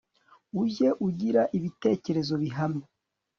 ujye ugira ibitekerezo bihamye